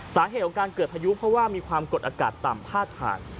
สาเหตุของการเกิดพายุเพราะว่ามีความกดอากาศต่ำพาดผ่าน